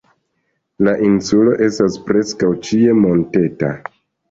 La insulo estas preskaŭ ĉie monteta.